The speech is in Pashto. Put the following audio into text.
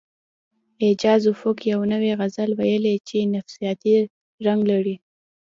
اعجاز افق یو نوی غزل ویلی چې نفسیاتي رنګ لري